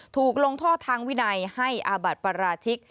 ถูกลงโทษทางวินัยให้อาบัติปราชิก